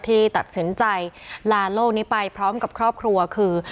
ที่ตัดสินใจลาโลกนี้ไปพร้อมกับครอบครัวคือ